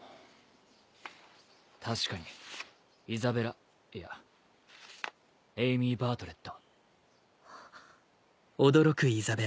確かにイザベラいやエイミー・バートレット。